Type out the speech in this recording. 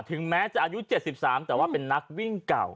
ถึงแม้จะอายุ๗๓แต่ว่าเป็นนักวิ่งเก่า